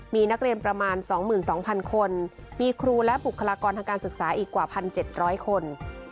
มีนักเรียนประมาณสองหมื่นสองพันคนมีครูและบุคลากรทางการศึกษาอีกกว่าพันเจ็ดร้อยคน